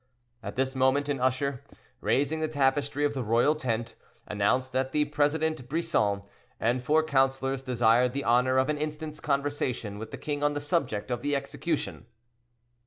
At this moment, an usher, raising the tapestry of the royal tent, announced that the president Brisson and four councilors desired the honor of an instant's conversation with the king on the subject of the execution.